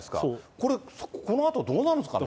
これ、このあとどうなるんですかね。